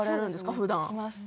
ふだん。